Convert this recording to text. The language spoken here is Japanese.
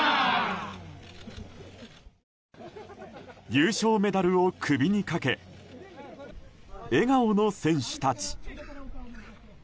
優勝メダルを首にかけ笑顔の選手たち。